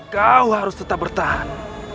kau harus tetap bertahan